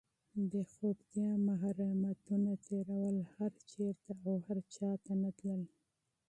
بېخوبتیا، محرومیتونه تېرول، هېر چېرته او هر چاته نه تلل،